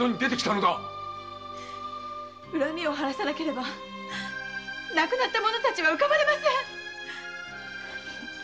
恨みを晴らさなければ亡くなった者たちは浮かばれません